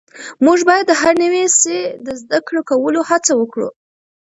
موږ باید د هر نوي سی د زده کولو هڅه وکړو.